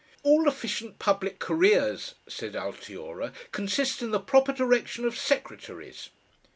"All efficient public careers," said Altiora, "consist in the proper direction of secretaries."